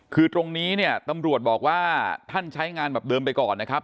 คือตรงนี้เนี่ยตำรวจบอกว่าท่านใช้งานแบบเดิมไปก่อนนะครับ